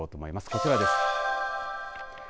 こちらです。